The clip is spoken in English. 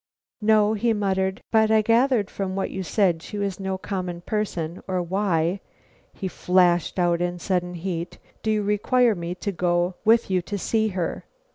"No," he muttered; "but I gathered from what you said, she was no common person; or why," he flashed out in sudden heat, "do you require me to go with you to see her?